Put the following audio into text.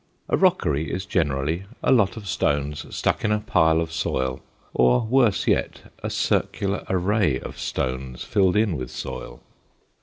A rockery is generally a lot of stones stuck in a pile of soil or, worse yet, a circular array of stones filled in with soil.